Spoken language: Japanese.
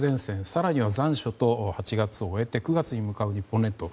更には残暑と８月を終えて９月を迎える日本列島